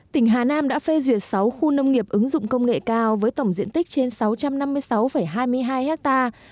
tỉnh hà nam đã phê duyệt sáu khu nông nghiệp ứng dụng công nghệ cao với tổng diện tích trên sáu trăm năm mươi sáu hai mươi hai hectare